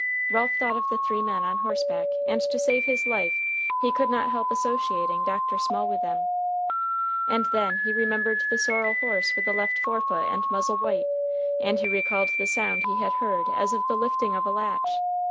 Ralph thought of the three men on horseback, and to save his life he could not help associating Dr. Small with them. And then he remembered the sorrel horse with the left forefoot and muzzle white, and he recalled the sound he had heard as of the lifting of a latch.